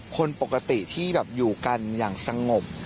คนปกติที่อยู่กันอย่างสงบ